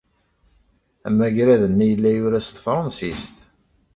Amagrad-nni yella yura s tefṛensist.